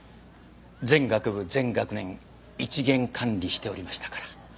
全学部全学年一元管理しておりましたから。